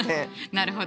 なるほど。